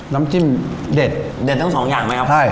น้ำจิ้มได้ส่ง๒อย่างนะครับ